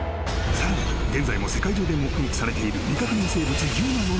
［さらに現在も世界中で目撃されている未確認生物ＵＭＡの］